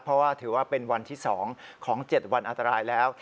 เพราะว่าถือว่าเป็นวันที่๒ของ๗วันอันตรายแล้ว